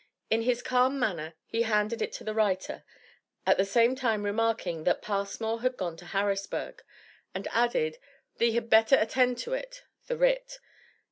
In his calm manner he handed it to the writer, at the same time remarking that "Passmore had gone to Harrisburg," and added, "thee had better attend to it" (the writ).